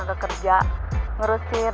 naga kerja ngerusir